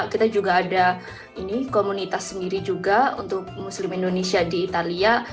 kita juga ada komunitas sendiri juga untuk muslim indonesia di italia